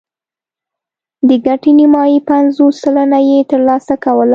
د ګټې نیمايي پنځوس سلنه یې ترلاسه کوله